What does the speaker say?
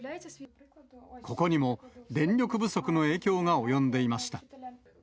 ここにも電力不足の影響が及んでいました。